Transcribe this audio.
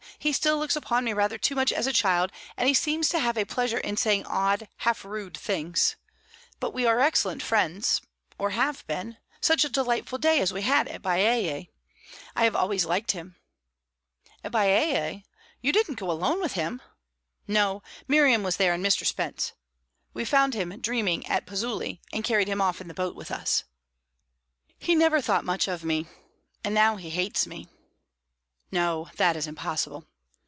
He still looks upon me rather too much as a child, and he seems to have a pleasure in saying odd, half rude things; but we are excellent friends or have been. Such a delightful day as we had at Baiae! I have always liked him." "At Baiae? You didn't go alone with him?" "No; Miriam was there and Mr. Spence. We found him dreaming at Pozzuoli, and carried him off in the boat with us." "He never thought much of me, and now he hates me." "No; that is impossible."